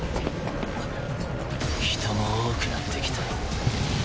人も多くなってきた。